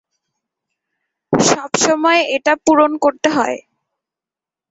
সবসময় এটা পূরণ করতে হয়।